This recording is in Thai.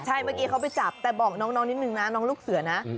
ใช่เมื่อกี้เขาไปจับแต่บอกน้องนิดนึงนะน้องลูกเสือนะ